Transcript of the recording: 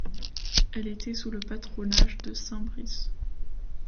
Elle était sous le patronage de saint Brice.